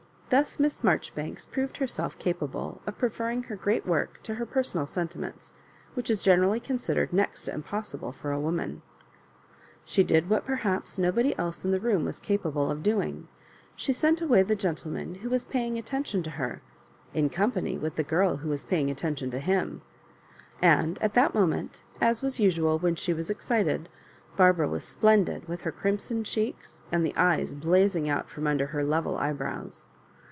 Thus Miss Marjoribanks proved herself capable of preferring her great work to her personal sentiments, which is ge nerally considered next to impossible for a wo man. She did what perhaps nobody else in the room was capable of doing: she sent away the gentleman who was paying attention to her, in company with the girl who was paying atten tion to him ; and at that moment, as was usual when she was excited, Barbara was splendid, with her crimson cheeks, and the eyes blazing out from under her level eyebrows.